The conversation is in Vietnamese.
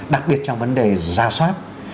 đặc biệt trong vấn đề ra soát